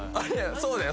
そうだよ